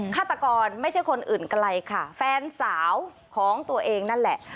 ฆาตกรไม่ใช่คนอื่นไกลค่ะแฟนสาวของตัวเองนั่นแหละ